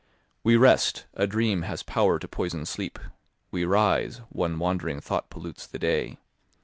We rest; a dream has power to poison sleep. We rise; one wand'ring thought pollutes the day.